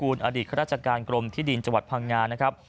อนุกูลอดีตรัชการกรมที่ดินจัวร์พังงานนะครับ